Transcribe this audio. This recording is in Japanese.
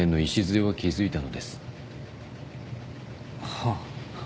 はあ。